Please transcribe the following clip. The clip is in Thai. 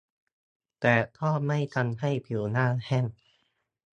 แต่ก็ไม่ทำให้ผิวหน้าแห้ง